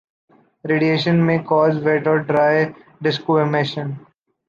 Radiation may cause wet or dry desquamation.